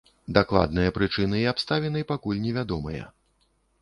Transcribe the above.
Дакладныя прычыны і абставіны пакуль невядомыя.